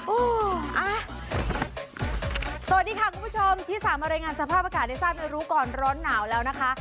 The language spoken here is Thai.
สวัสดีค่ะคุณผู้ชมที่สามารถรายงานสภาพอากาศได้ทราบในรู้ก่อนร้อนหนาวแล้วนะคะ